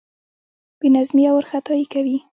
بې نظمي او وارخطايي کوي.